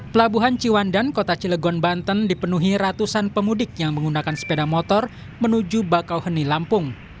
pelabuhan ciwandan kota cilegon banten dipenuhi ratusan pemudik yang menggunakan sepeda motor menuju bakauheni lampung